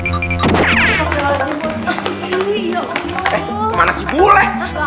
eh mana si bule